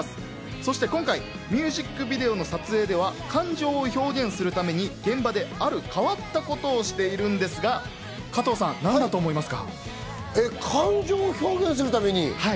そして今回ミュージックビデオの撮影では感情を表現するために現場で、ある変わったことをしているんですが加藤さん、何だと思いますか？